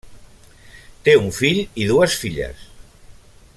Té un fill i dues filles.